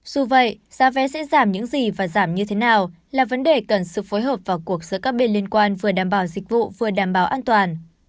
dù vậy giá vé sẽ giảm những gì và giảm như thế nào là vấn đề cần sự phối hợp vào cuộc giữa các bên liên quan vừa đảm bảo dịch vụ vừa đảm bảo an toàn